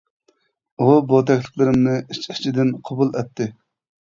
ئۇ بۇ تەكلىپلىرىمنى ئىچ-ئىچىدىن قوبۇل ئەتتى.